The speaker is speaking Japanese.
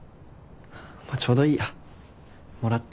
ちょうどいいやもらって。